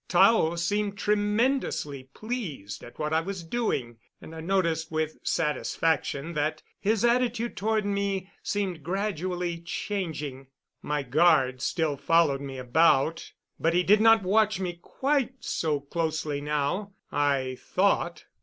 Tao seemed tremendously pleased at what I was doing, and I noticed with satisfaction that his attitude toward me seemed gradually changing. My guard still followed me about, but he did not watch me quite so closely now, I thought.